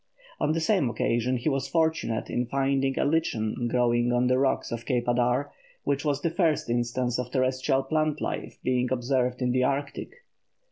On the same occasion he was fortunate in finding a lichen growing on the rocks of Cape Adare, which was the first instance of terrestrial plant life being observed in the Antarctic.